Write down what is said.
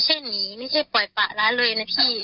เช่นนี้ไม่ได้ปล่อยป่าร้านเลยนะพี่